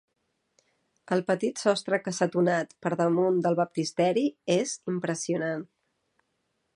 El petit sostre cassetonat per damunt del baptisteri és impressionant.